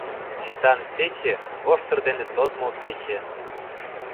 Четан пече — воштыр дене тодмо пече.